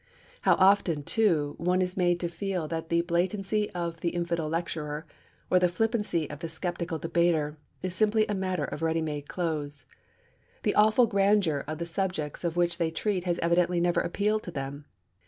How often, too, one is made to feel that the blatancy of the infidel lecturer, or the flippancy of the sceptical debater, is simply a matter of ready made clothes. The awful grandeur of the subjects of which they treat has evidently never appealed to them.